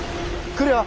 来るよ。